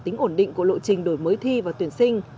tính ổn định của lộ trình đổi mới thi và tuyển sinh